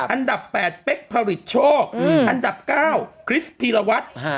อันดับ๘เป๊กผลิตโชคอันดับ๙คริสพีรวัตร